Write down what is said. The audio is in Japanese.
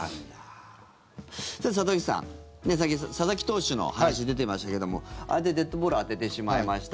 里崎さん、佐々木投手の話出てましたけどもああやってデッドボール当ててしまいました